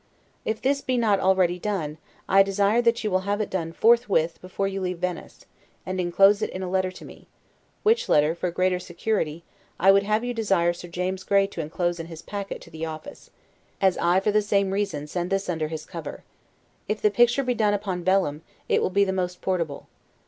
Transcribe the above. If this be not already done, I desire that you will have it done forthwith before you leave Venice; and inclose it in a letter to me, which letter, for greater security, I would have you desire Sir James Gray to inclose in his packet to the office; as I, for the same, reason, send this under his cover. If the picture be done upon vellum, it will be the most portable.